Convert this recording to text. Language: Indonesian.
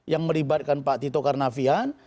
yang melibatkan pak tito karnavian